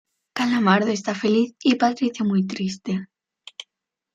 Calamardo está feliz y Patricio muy triste.